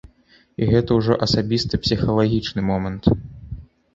І гэта ўжо асабіста-псіхалагічны момант.